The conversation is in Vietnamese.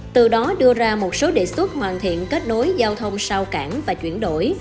từ đó đưa ra một số đề xuất hoàn thiện kết nối giao thông sau cảng và chuyển đổi